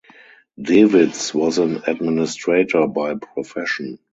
Dewitz was an administrator by profession.